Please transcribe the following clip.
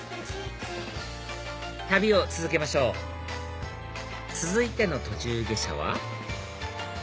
旅を続けましょう続いての途中下車は？